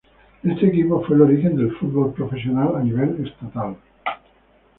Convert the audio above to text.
Este equipo fue el origen del fútbol profesional a nivel estatal.